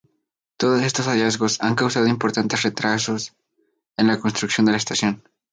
Todos estos hallazgos han causado importantes retrasos en la construcción de la estación.